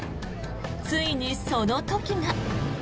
ついにその時が。